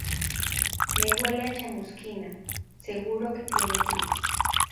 Me huele a chamusquina. Seguro que tiene truco